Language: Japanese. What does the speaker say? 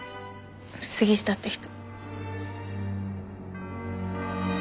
杉下って人。